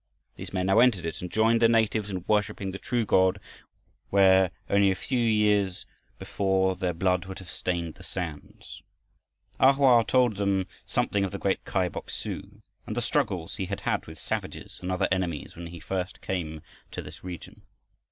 These men now entered it and joined the natives in worshiping the true God, where, only a few years before, their blood would have stained the sands. A Hoa told them something of the great Kai Bok su and the struggles he had had with savages and other enemies, when he first came to this region.